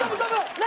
何？